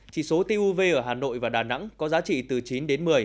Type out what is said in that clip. chỉ số tuv ở hà nội và đà nẵng có giá trị từ chín đến một mươi